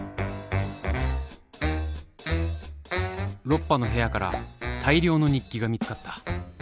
ロッパの部屋から大量の日記が見つかった。